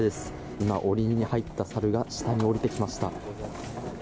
今、檻に入ったサルが下に下りてきました。